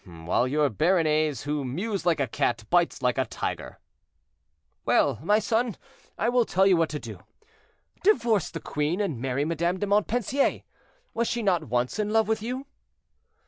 "While your Béarnais, who mews like a cat, bites like a tiger." "Well, my son, I will tell you what to do; divorce the queen and marry Madame de Montpensier; was she not once in love with you?"